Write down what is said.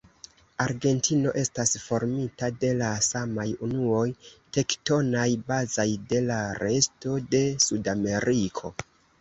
Argentino estas formita de la samaj unuoj tektonaj bazaj de la resto de Sudameriko.